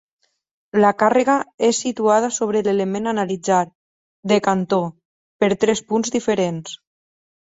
La càrrega és situada sobre l'element a analitzar, de cantó, per tres punts diferents.